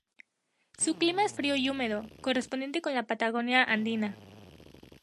Su clima es frío y húmedo, correspondiente con la Patagonia andina.